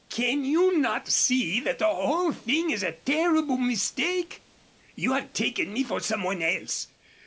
Can you not see that the whole thing is a terrible mistake? You have taken me for some one else.